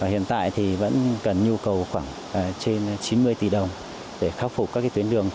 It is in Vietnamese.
hiện tại thì vẫn cần nhu cầu khoảng trên chín mươi tỷ đồng để khắc phục các tuyến đường